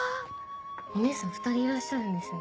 お姉さん２人いらっしゃるんですね。